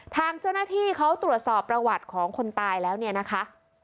ทางเจ้าหน้าที่เขาตรวจสอบประวัติของคนตายแล้วเนี่ยนะคะ